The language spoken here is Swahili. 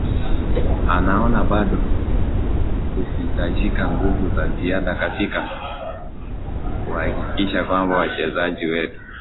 anaona bado kuhitajika nguvu za ziada katika kuhakikisha kwamba wachezaji wetu